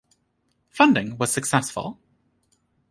Funding was successful.